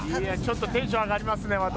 ちょっとテンション上がりますね。